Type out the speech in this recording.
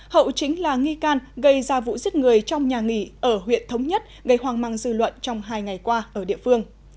hậu chính là nghi can gây ra vụ giết người trong nhà nghỉ ở huyện thống nhất gây hoang mang dư luận trong hai ngày qua ở địa phương